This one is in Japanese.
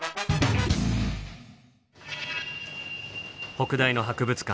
北大の博物館。